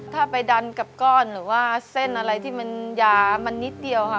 ถ้าไปดันกับก้อนหรือว่าเส้นอะไรที่มันยามันนิดเดียวค่ะ